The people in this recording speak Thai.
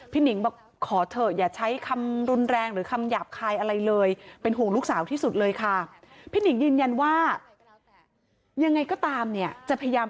พี่หนิ่งบอกขอเธอย่าใช้คำรุนแรงหรือคำหยาบคายอะไรเลย